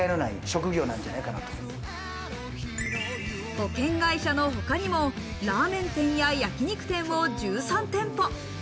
保険会社の他にもラーメン店や焼肉店を１３店舗。